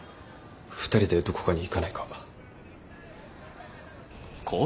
２人でどこかに行かないか？